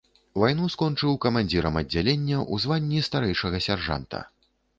Вайну скончыў камандзірам аддзялення, у званні старэйшага сяржанта.